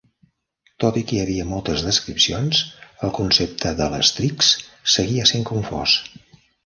Tot i que hi havia moltes descripcions, el concepte de l'"strix" seguia sent confós.